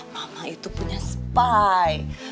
mama itu punya spy